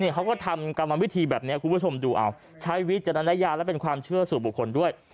เขาก็ทำกรรมวิธีแบบนี้คุณผู้ชมดูเอาใช้วิจารณญาณและเป็นความเชื่อสู่บุคคลด้วย